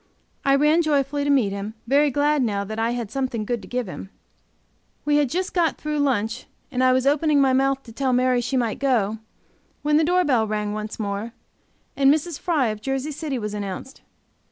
I ran joyfully to meet him, very glad now that I had something good to give him. We had just got through lunch, and I was opening my mouth to tell Mary she might go, when the door bell rang once more, and Mrs. Fry, of Jersey City, was announced.